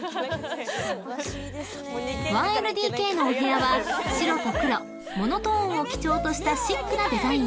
［１ＬＤＫのお部屋は白と黒モノトーンを基調としたシックなデザイン］